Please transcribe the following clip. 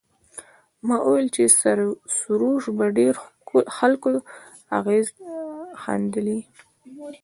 ما وویل چې سروش پر ډېرو خلکو اغېز ښندلی.